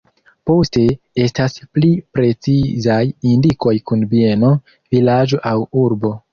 Poste estas pli precizaj indikoj kun bieno, vilaĝo aŭ urbo.